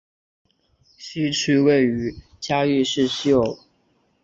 西区位于嘉义市西隅。